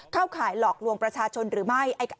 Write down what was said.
ข่ายหลอกลวงประชาชนหรือไม่